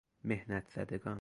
محنت زدگان